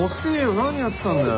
何やってたんだよ。